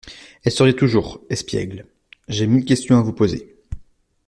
Elle souriait toujours, espiègle. J’ai mille questions à vous poser.